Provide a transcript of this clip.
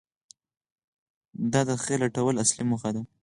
• دا د خیر لټول اصلي موخه وه.